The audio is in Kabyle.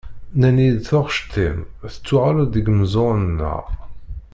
Nnan-iyi-d taɣect-im, tettuɣal-d deg meẓẓuɣen-nneɣ.